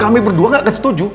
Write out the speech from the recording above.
kami berdua gak akan setuju